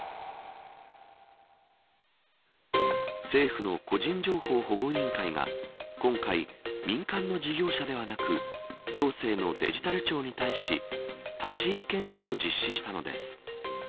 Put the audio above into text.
政府の個人情報保護委員会が今回、民間の事業者ではなく行政のデジタル庁に対し立ち入り検査を実施したのです。